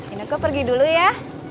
ini kok pergi dulu ya